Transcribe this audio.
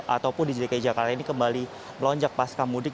ataupun di dki jakarta ini kembali melonjak pasca mudik